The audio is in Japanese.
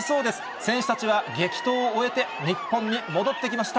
選手たちは激闘を終えて日本に戻ってきました。